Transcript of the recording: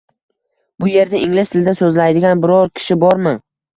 Bu yerda ingliz tilida so'zlaydigan biror kishi bormi?